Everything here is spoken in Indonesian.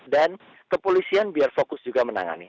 dan kepolisian biar fokus juga menangani